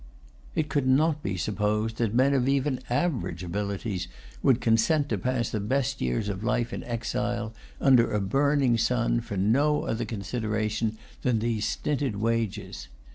It could not be supposed that men of even average abilities would consent to pass the best years of life in exile, under a burning sun, for no other consideration than these stinted wages.